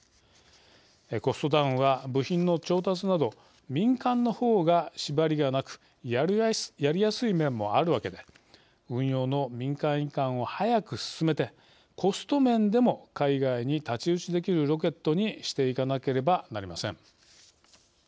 コストダウンは、部品の調達など民間の方がしばりがなくやりやすい面もあるわけで運用の民間移管を早く進めてコスト面でも海外に太刀打ちできるロケットにしていかなければなりません。